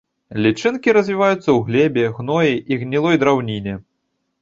Лічынкі развіваюцца ў глебе, гноі і гнілой драўніне.